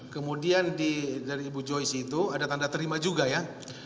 kemudian dari ibu joysi itu ada tanda terima juga ya